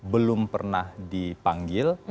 belum pernah dipanggil